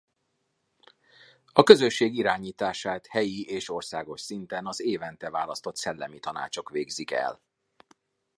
A közösség irányítását helyi és országos szinten az évente választott Szellemi Tanácsok végzik el.